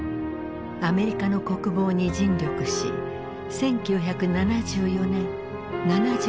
アメリカの国防に尽力し１９７４年７２歳で亡くなった。